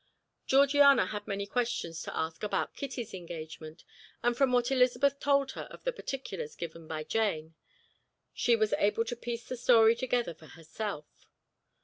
Georgiana had many questions to ask about Kitty's engagement, and from what Elizabeth told her of the particulars given by Jane, she was able to piece the story together for herself.